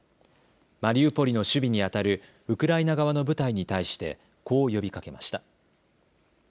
マリウポリの守備にあたるウクライナ側の部隊に対してこう呼びかけました。